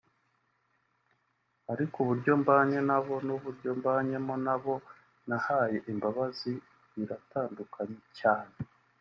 ariko uburyo mbanye na bo n’uburyo mbanyemo n’abo nahaye imbabazi biratandukanye cyane